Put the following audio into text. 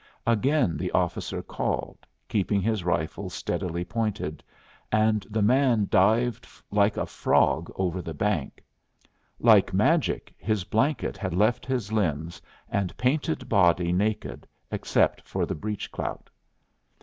Again the officer called, keeping his rifle steadily pointed, and the man dived like a frog over the bank. Like magic his blanket had left his limbs and painted body naked, except for the breech clout.